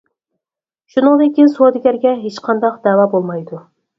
شۇنىڭدىن كېيىن سودىگەرگە ھېچقانداق دەۋا بولمايدۇ.